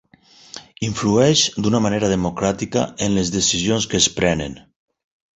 Influeix, d’una manera democràtica, en les decisions que es prenen.